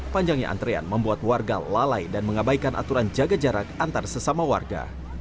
panjangnya antrean membuat warga lalai dan mengabaikan aturan jaga jarak antar sesama warga